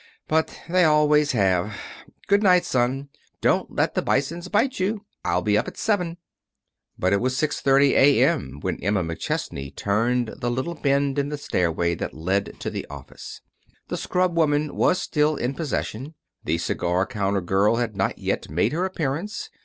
But they always have. Good night, son. Don't let the Bisons bite you. I'll be up at seven." But it was just 6:30 A.M. when Emma McChesney turned the little bend in the stairway that led to the office. The scrub woman was still in possession. The cigar counter girl had not yet made her appearance.